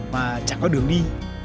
mà chẳng có đường đi